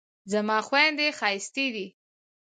زما خویندې ښایستې دي